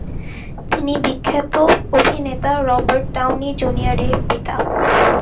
তিনি বিখ্যাত অভিনেতা রবার্ট ডাউনি জুনিয়র এর পিতা।